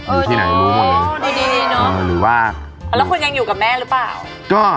อยู่ที่ไหนรู้หมดเลยอ๋อดีดีเนอะหรือว่าแล้วคุณยังอยู่กับแม่หรือเปล่า